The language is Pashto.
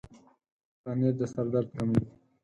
پنېر د سر درد کموي.